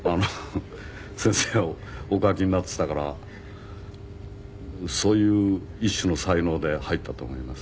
先生がお書きになってたからそういう一種の才能で入ったと思います。